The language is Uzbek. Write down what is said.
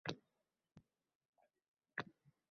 Qor edi qalin.